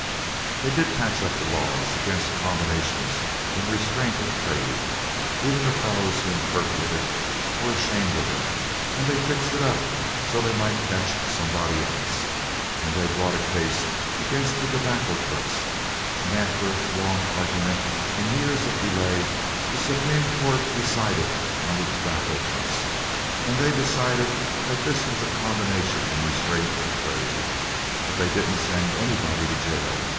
They did patch up the laws against combinations in restraint of trade. Even the fellows who interpreted it, were ashamed of it and they fixed it up so they might catch somebody else, and they brought a case against the Tobacco Trust, and after long argument and years of delay the Supreme Court decided on the Tobacco Trust and they decided that this was a combination in restraint of trade, but they didn't send anybody to jail.